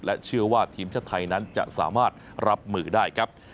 เชื่อว่าทีมชาติไทยนั้นจะสามารถรับมือได้ครับ